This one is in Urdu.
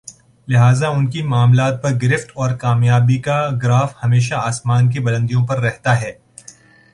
لہذا انکی معاملات پر گرفت اور کامیابی کا گراف ہمیشہ آسمان کی بلندیوں پر رہتا ہے